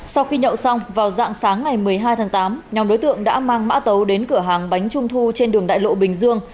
sau khi nhậu xong vào dạng sáng ngày một mươi hai tháng tám nhóm đối tượng đã mang mã tấu đến cửa hàng bánh trung thu trên đường đại lộ bình dương